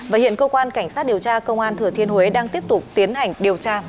và hiện cơ quan cảnh sát điều tra công an thừa thiên huế đang tiếp tục tiến hành điều tra mở rộng vụ án